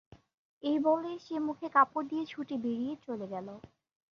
এই বলে সে মুখে কাপড় দিয়ে ছুটে বেরিয়ে চলে গেল।